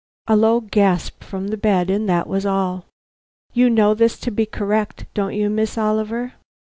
A low gasp from the bed, and that was all. "You know this to be correct, don't you, Miss Oliver?"